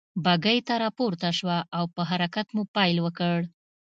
بګۍ ته را پورته شوه او په حرکت مو پيل وکړ.